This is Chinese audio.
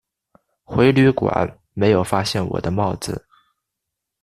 回旅馆没有发现我的帽子